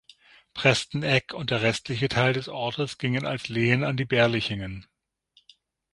Presteneck und der restliche Teil des Ortes gingen als Lehen an die Berlichingen.